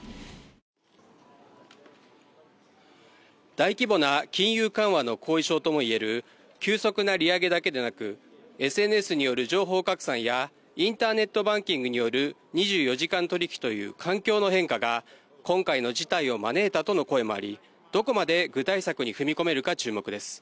大規模な金融緩和の後遺症とも言える急速な利上げだけでなくＳＮＳによる情報拡散やインターネットバンキングによる２４時間取引という環境の変化が今回の事態を招いたとの声もあり、どこまで具体策に踏み込めるか注目です。